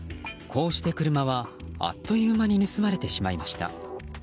こうして、車はあっという間に盗まれてしまいました。